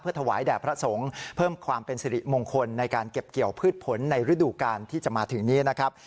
ถวายแด่พระสงฆ์เพิ่มความเป็นสิริมงคลในการเก็บเกี่ยวพืชผลในฤดูกาลที่จะมาถึงนี้นะครับ